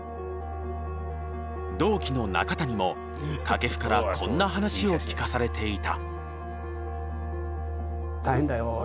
同期の中谷も掛布からこんな話を聞かされていた。